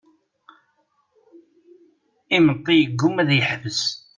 Imeṭṭi yegguma ad yeḥbes.